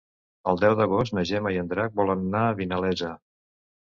El deu d'agost na Gemma i en Drac volen anar a Vinalesa.